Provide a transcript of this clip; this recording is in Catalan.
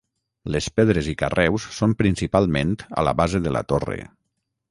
Les pedres i carreus són principalment a la base de la torre.